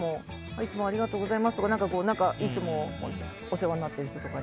いつもありがとうございますとかいつもお世話になってる人とかに。